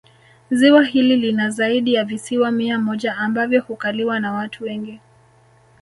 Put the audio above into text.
Ziwa hili lina zaidi ya visiwa mia moja ambavyo hukaliwa na watu wengi